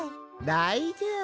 だいじょうぶ。